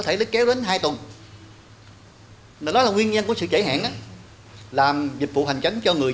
thể lấy kéo đến hai tuần nó là nguyên nhân của sự chảy hẹn đó làm dịch vụ hành tránh cho người